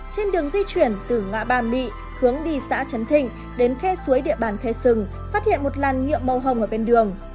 trên đường di chuyển từ ngã bàn mỹ hướng đi xã tân thịnh đến khe suối địa bàn thê sừng phát hiện một làn nhựa màu hồng ở bên đường